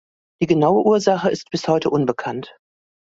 Die genaue Ursache ist bis heute unbekannt.